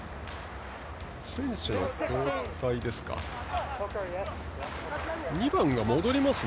選手の交代です。